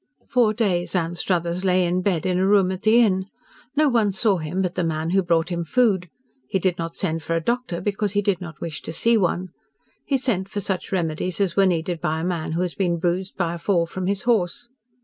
Four days Anstruthers lay in bed in a room at the Inn. No one saw him but the man who brought him food. He did not send for a doctor, because he did not wish to see one. He sent for such remedies as were needed by a man who had been bruised by a fall from his horse.